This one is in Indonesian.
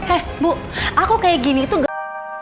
eh bu aku kayak gini tuh gak